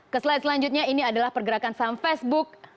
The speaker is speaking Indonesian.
ke slide selanjutnya ini adalah pergerakan saham facebook